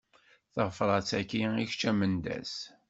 Tabrat-agi i kečč a Mendas.